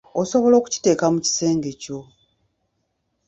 Osobola okukiteeka mu kisenge kyo.